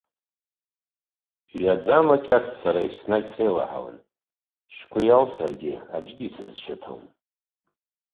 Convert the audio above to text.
Ҩаӡамакьаҭ сара еснагь сеилаҳауан, шәгәы иалсыргьы, аӡәгьы исызшәыҭом.